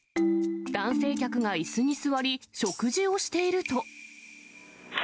男性客がいすに座り、食事をしていると。